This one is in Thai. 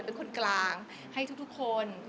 เป็นคนกลางให้ทุกคน